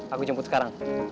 aku jemput sekarang